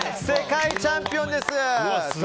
世界チャンピオンです。